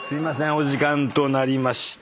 お時間となりました。